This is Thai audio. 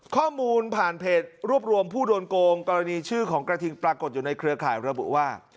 ข้อมูลผ่านเพจรวบรวมผู้โดนโกงกรณีชื่อของกระทิงปรากฏอยู่ในเครือข่ายระบุว่า